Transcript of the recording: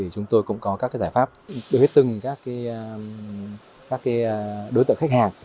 chúng tôi cũng có các giải pháp đối với từng đối tượng khách hàng